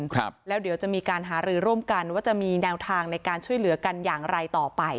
ครับแล้วเดี๋ยวจะมีการหารือร่วมกันว่าจะมีแนวทางในการช่วยเหลือกันอย่างไรต่อไป